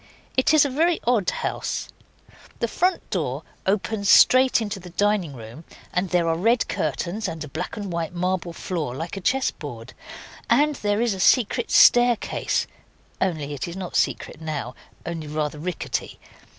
It is a very odd house: the front door opens straight into the dining room, and there are red curtains and a black and white marble floor like a chess board, and there is a secret staircase, only it is not secret now only rather rickety.